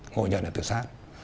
ngộ nhận là tự sát